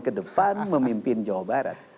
ke depan memimpin jawa barat